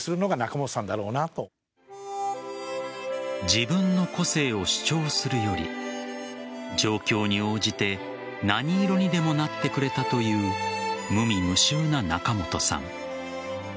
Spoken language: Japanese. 自分の個性を主張するより状況に応じて何色にでもなってくれたという無味無臭な仲本さん。